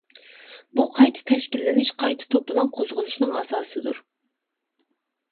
بۇ قايتا تەشكىللىنىش، قايتا توپىلاڭ قوزغىلىشنىڭ ئاساسىدۇر.